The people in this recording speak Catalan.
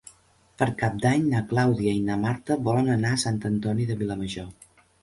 Per Cap d'Any na Clàudia i na Marta volen anar a Sant Antoni de Vilamajor.